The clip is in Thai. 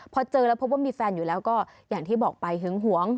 พอเจอแล้วพบว่ามีแฟนอยู่แล้วก็อย่างที่บอกไปหึงหวง